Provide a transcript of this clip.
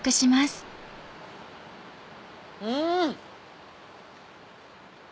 うん！